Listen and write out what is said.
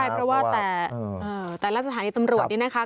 เพราะว่าแต่ละสถานีตำรวจนี่นะคะ